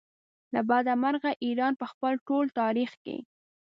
له بده مرغه ایران په خپل ټول تاریخ کې.